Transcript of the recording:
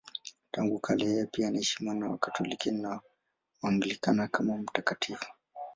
Tangu kale yeye pia anaheshimiwa na Wakatoliki na Waanglikana kama mtakatifu.